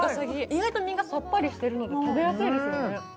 意外と身がさっぱりしてるので食べやすいですね。